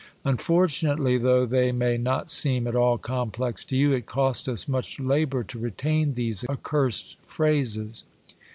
Unfortunately, though they may not seem at all complex to you, it cost us much labor to retain these accursed phrases.